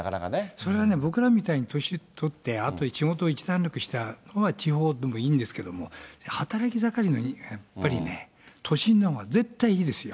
それはね、僕らみたいに年取って、あと、仕事が一段落した人は地方でもいいんですけども、働き盛りの人はやっぱりね、都心のほうが絶対いいですよ。